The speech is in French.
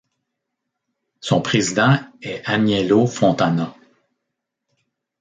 Son président est Aniello Fontana.